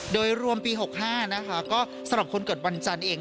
โดยรวมปี๖๕นะคะก็สำหรับคนเกิดวันจันทร์เอง